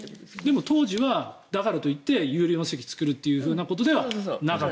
でも当時はだからといって有料席を増やすということではなかった。